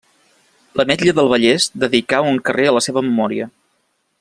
L'Ametlla del Vallès dedicà un carrer a la seva memòria.